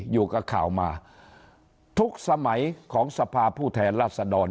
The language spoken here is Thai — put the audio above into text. อยู่กับข่าวมาทุกสมัยของสภาผู้แทนรัศดร